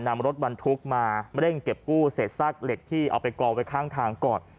นำรถบรรทุกมาเร่งเก็บกู้เศษซากเหล็กที่เอาไปกองไว้ข้างทางก่อน